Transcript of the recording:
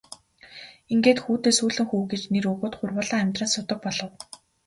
Ингээд хүүдээ Сүүлэн хүү гэж нэр өгөөд гурвуулаа амьдран суудаг болов.